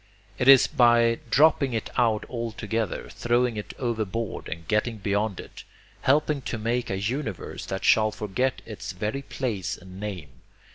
It is by dropping it out altogether, throwing it overboard and getting beyond it, helping to make a universe that shall forget its very place and name.